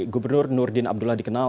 gubernur nurdin abdullah dikenal